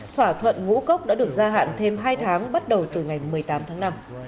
thỏa thuận ngũ cốc đã được gia hạn thêm hai tháng bắt đầu từ ngày một mươi tám tháng năm